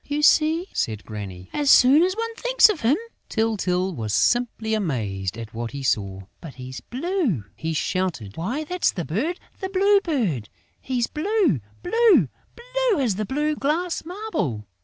"You see," said Granny, "as soon as one thinks of him...." Tyltyl was simply amazed at what he saw: "But he's blue!" he shouted. "Why, that's the bird, the Blue Bird!... He's blue, blue, blue as a blue glass marble!...